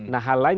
nah hal lain